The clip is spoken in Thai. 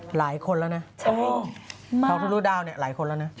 หลายคนแล้วนะเขาทะลุดาวเนี่ยหลายคนแล้วนะ